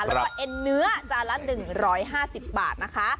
แล้วก็เอ็นเนื้อจานละ๑๕๐บาทนะคะ